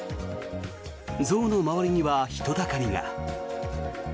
象の周りには人だかりが。